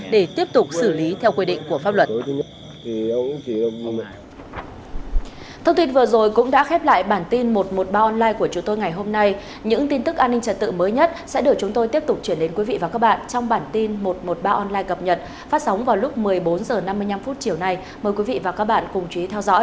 để tiếp tục xử lý theo quy định của pháp luật